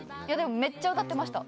めっちゃ歌ってました。